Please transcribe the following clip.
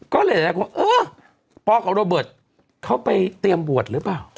ก็เลยหลายคนเออปอกับโรเบิร์ตเขาไปเตรียมบวชหรือเปล่า